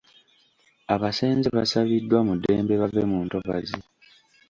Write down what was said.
Abasenze basabiddwa mu ddembe bave mu ntobazi.